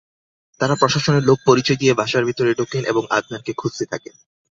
তাঁরা প্রশাসনের লোক পরিচয় দিয়ে বাসার ভেতরে ঢোকেন এবং আদনানকে খুঁজতে থাকেন।